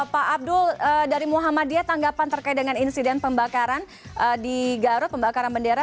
pak abdul dari muhammadiyah tanggapan terkait dengan insiden pembakaran di garut pembakaran bendera